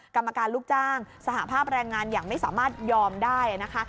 กรรมการลูกจ้างสหภาพแรงงานอย่างไม่สามารถยอมได้นะคะ